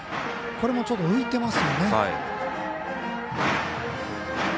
これもちょっと浮いてます。